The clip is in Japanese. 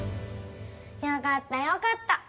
よかったよかった。